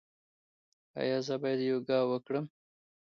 ایا زه باید یوګا وکړم؟